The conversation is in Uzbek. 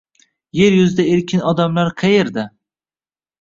Yer yuzida erkin odamlar qaerda?